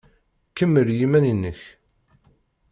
Kemmel i yiman-nnek.